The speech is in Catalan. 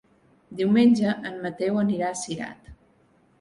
Diumenge en Mateu anirà a Cirat.